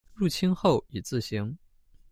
入清后以字行。